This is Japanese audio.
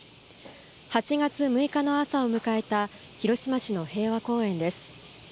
８月６日の朝を迎えた広島市の平和公園です。